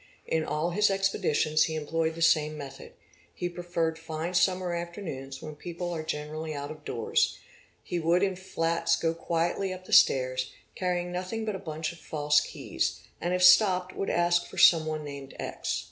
In all his expeditions he employed the same method ; he preferred fine summer afternoons when people are generally out of doors; he would in flats go quietly up the stairs, carrying nothing but a bunch of false keys, and if stopped would ask for some one named X.